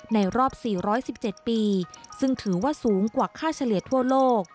ในรอบ๔๑๗ปีซึ่งถือว่าสูงกว่าค่าเฉลี่ยทั่วโลก